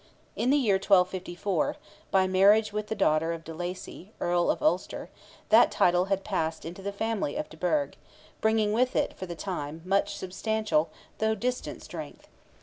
In the year 1254, by marriage with the daughter of de Lacy, Earl of Ulster, that title had passed into the family of de Burgh, bringing with it, for the time, much substantial, though distant, strength.